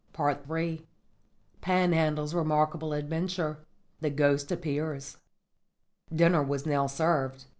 _" III PANHANDLE'S REMARKABLE ADVENTURE. THE GHOST APPEARS Dinner was now served.